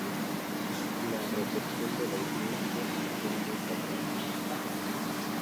La recepción de la audiencia fue muy favorable.